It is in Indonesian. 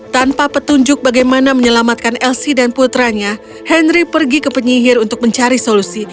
tanpa petunjuk bagaimana menyelamatkan elsi dan putranya henry pergi ke penyihir untuk mencari solusi